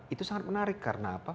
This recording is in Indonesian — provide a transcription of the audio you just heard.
itu sangat menarik karena apa